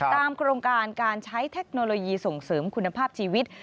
โครงการการใช้เทคโนโลยีส่งเสริมคุณภาพชีวิต